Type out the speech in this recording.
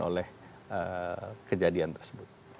oleh kejadian tersebut